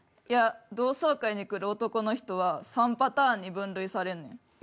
いや同窓会に来る男の人は３パターンに分類されるねん。